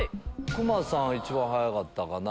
クマさん一番早かったかな。